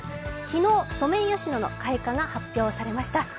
昨日、ソメイヨシノの開花が発表されました。